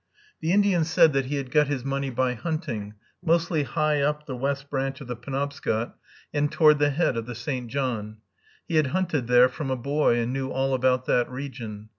The Indian said that he had got his money by hunting, mostly high up the West Branch of the Penobscot, and toward the head of the St. John; he had hunted there from a boy, and knew all about that region.